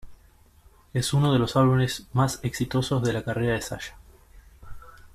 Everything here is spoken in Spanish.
Es uno de los álbumes más exitosos de la carrera de Sasha.